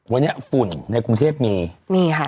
วันนี้ฝุ่นในกรุงเทพมีมีค่ะ